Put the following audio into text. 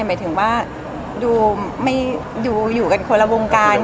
หมายถึงว่าดูอยู่กันคนละวงการ